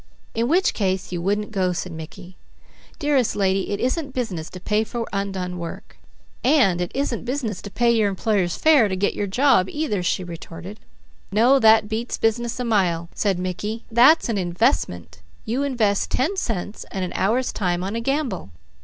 "In which case you wouldn't go," said Mickey. "Dearest lady, it isn't business to pay for undone work." "And it isn't business to pay your employer's fare to get to your job either," she retorted. "No, that beats business a mile," said Mickey. "That's an investment. You invest ten cents and an hour's time on a gamble.